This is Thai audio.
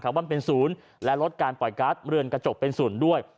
ว่ามันเป็นศูนย์และลดการปล่อยการ์ดเรือนกระจกเป็นศูนย์ด้วย